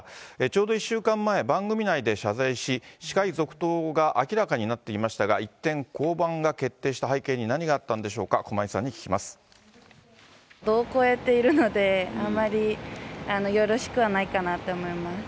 ちょうど１週間前、番組内で謝罪し、司会続投が明らかになっていましたが、一転、降板が決定した背景に何があったんでしょうか、駒井さんに聞きま度を超えているので、あまりよろしくはないかなって思います。